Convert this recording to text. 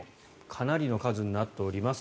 かなりの数になっております。